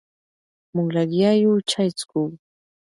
مونږ لګیا یو چای څکو.